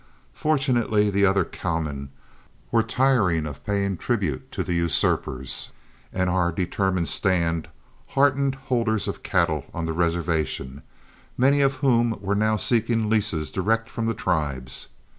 Fortunately the other cowmen were tiring of paying tribute to the usurpers, and our determined stand heartened holders of cattle on the reservation, many of whom were now seeking leases direct from the tribes.